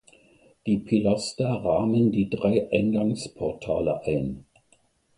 Die Pilaster rahmen die drei Eingangsportale ein.